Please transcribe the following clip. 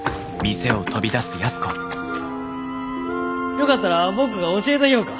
よかったら僕が教えたぎょうか。